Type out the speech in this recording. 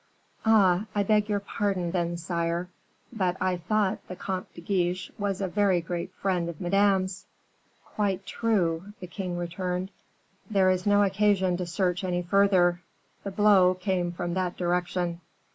"Ah! I beg your pardon, then, sire; but I thought the Comte de Guiche was a very great friend of Madame's." "Quite true," the king returned; "there is no occasion to search any further, the blow came from that direction."